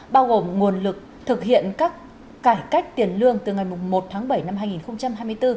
bao gồm nguồn lực thực hiện các cải cách tiền lương từ ngày một tháng bảy năm hai nghìn hai mươi bốn